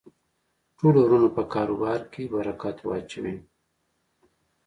ټولو ورونو په کاربار کی برکت واچوی